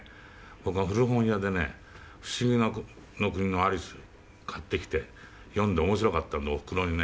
僕は古本屋でね『不思議の国のアリス』買ってきて読んで面白かったんでおふくろにね